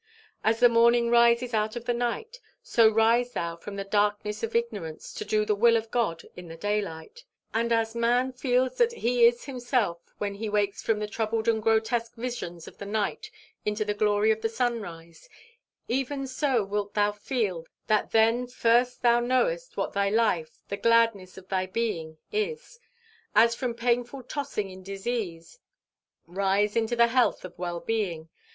As the morning rises out of the night, so rise thou from the darkness of ignorance to do the will of God in the daylight; and as a man feels that he is himself when he wakes from the troubled and grotesque visions of the night into the glory of the sunrise, even so wilt thou feel that then first thou knowest what thy life, the gladness of thy being, is. As from painful tossing in disease, rise into the health of well being.